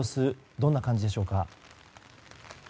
どんな感じでしょうか？